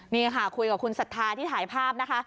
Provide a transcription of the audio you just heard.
นี่ค่ะคุยกับคุณศรัทธาที่ถ่ายภาพนะคะ